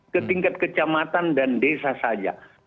ketingkat kecamatan dan desa saja